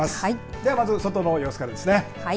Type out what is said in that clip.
ではまず外の様子からですね。